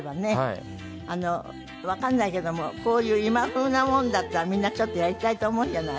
『徹子の部屋のテーマ』わかんないけどもこういう今風なものだったらみんなちょっとやりたいと思うんじゃない？